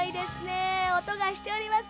おとがしております